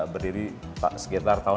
berdiri sekitar tahun lima puluh